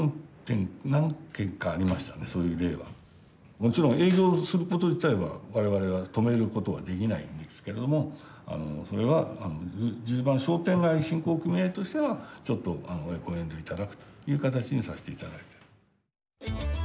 もちろん営業すること自体は我々は止めることはできないんですけれどもそれは十番商店街振興組合としてはちょっとご遠慮いただくという形にさせていただいてる。